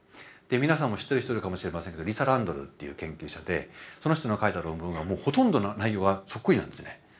皆さんも知ってる人いるかもしれませんがリサ・ランドールっていう研究者でその人の書いた論文がもうほとんど内容はそっくりなんですね。